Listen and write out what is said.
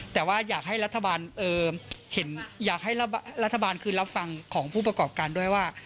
แต่ว่าอยากให้รัฐบาลคืนรับฟังของผู้ประกอบการด้วยว่า